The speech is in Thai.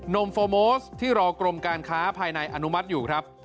มโฟสที่รอกรมการค้าภายในอนุมัติอยู่ครับ